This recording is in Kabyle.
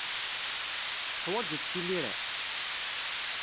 Teḥwajeḍ-tt imir-a?